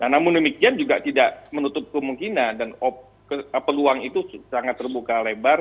namun demikian juga tidak menutup kemungkinan dan peluang itu sangat terbuka lebar